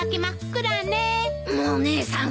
もう姉さん！